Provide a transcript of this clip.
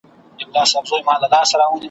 ستا تر کړکۍ لاندي به په سرو اوښکو کي غلی وي ,